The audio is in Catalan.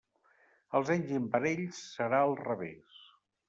Els anys imparells serà al revés.